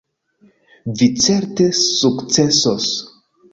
Vi certe sukcesos.